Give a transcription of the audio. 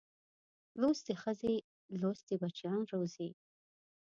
لوستې ښځې لوستي بچیان روزي